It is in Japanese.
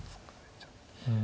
うん。